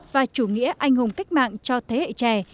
và chủ nghĩa anh hùng cách mạng cho thế hệ trẻ